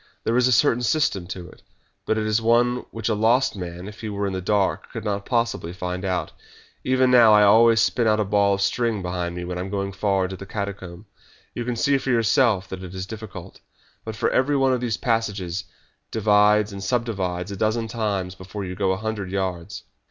There is a certain system to it, but it is one which a lost man, if he were in the dark, could not possibly find out. Even now I always spin out a ball of string behind me when I am going far into the catacomb. You can see for yourself that it is difficult, but every one of these passages divides and subdivides a dozen times before you go a hundred yards."